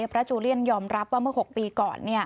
จูเลียนยอมรับว่าเมื่อ๖ปีก่อน